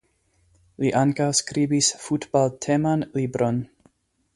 Li ankaŭ skribis futbalteman libron.